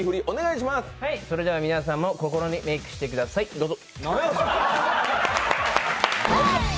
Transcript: それでは皆さんも心にメイクしてください、どうぞ。